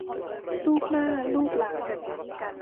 ลูบหน้าลูบหลัง